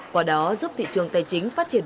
quả đó giúp thị trường tài chính phát triển